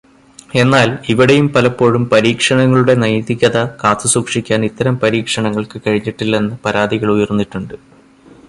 എന്നാൽ, ഇവിടെയും പലപ്പോഴും പരീക്ഷണങ്ങളുടെ നൈതികത കാത്തുസൂക്ഷിക്കാൻ ഇത്തരം പരീക്ഷണങ്ങൾക്ക് കഴിഞ്ഞിട്ടില്ലെന്ന് പരാതികൾ ഉയർന്നിട്ടുണ്ട്.